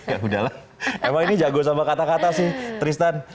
ya udahlah emang ini jago sama kata kata sih tristan